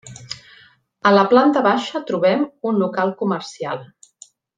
A la planta baixa trobem un local comercial.